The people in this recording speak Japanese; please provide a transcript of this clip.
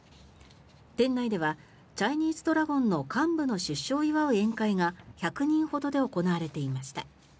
店内ではチャイニーズドラゴンの幹部の出所を祝う宴会が１００人ほどで行われていました。